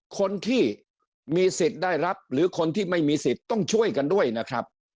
คนที่มีสิทธิ์ได้รับหรือคนที่ไม่มีสิทธิ์ต้องช่วยกันด้วยนะครับ